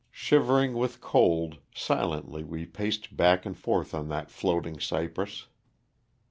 Shivering with cold, silently we paced back and forth on that floating cypress.